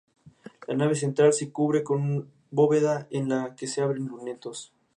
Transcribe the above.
La nave central se cubre con bóveda en la que se abren lunetos.